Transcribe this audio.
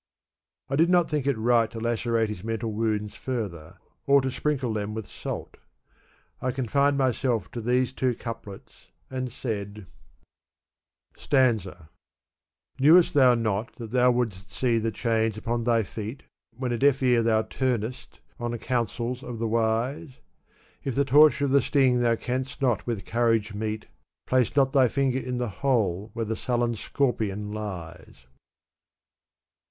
I did not think it right to lacerate his mental wounds further, or to sprinkle them with salt I confined my self to these two couplets and said, 1 The pilgrims to Mecca. Digitized by Google i Gulistan; or. Rose Garden. 267 Stanza. " Knewest thou not that thou wouldst see the chains upon thy feet, When a deaf ear thou tumedst on the counsels of the wise? If the torture of the sting thou canst not with courage meet, Place not thy finger in the hole where the sullen scorpion lies."